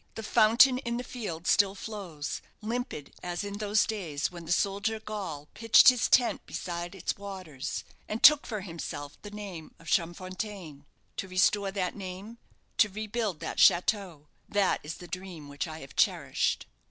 The fountain in the field still flows, limpid as in those days when the soldier Gaul pitched his tent beside its waters, and took for himself the name of Champfontaine. To restore that name, to rebuild that chateau that is the dream which I have cherished."